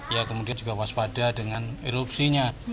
ya kemudian juga waspada dengan erupsinya